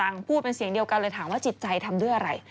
พูดเป็นเสียงเดียวกันเลยถามว่าจิตใจทำด้วยอะไร